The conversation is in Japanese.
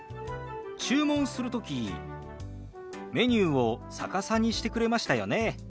注文する時メニューを逆さにしてくれましたよね。